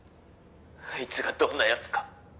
「あいつがどんな奴か」